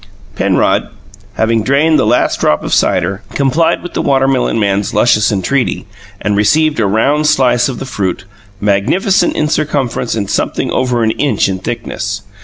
Penrod, having drained the last drop of cider, complied with the watermelon man's luscious entreaty, and received a round slice of the fruit, magnificent in circumference and something over an inch in thickness.